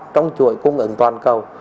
trong chuỗi cung ứng toàn cầu